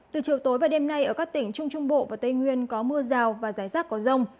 từ chiều tối và đêm nay ở các tỉnh trung trung bộ và tây nguyên có mưa rào và rải rác có rông